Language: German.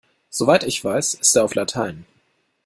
Soweit ich weiß, ist er auf Latein.